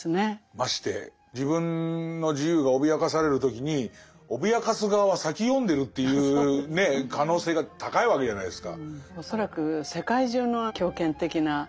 まして自分の自由が脅かされる時に脅かす側は先読んでるっていうね可能性が高いわけじゃないですか。